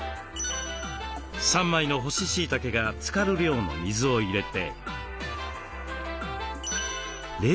３枚の干ししいたけがつかる量の水を入れて。